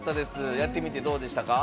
やってみて、どうでしたか？